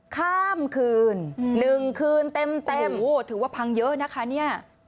ข้ามคืน๑คืนเต็มโอ้ถือว่าพังเยอะนะคะเนี่ย